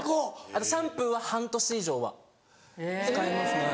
あとシャンプーは半年以上は使いますね。